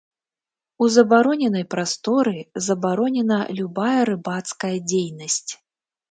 У забароненай прасторы забаронена любая рыбацкая дзейнасць.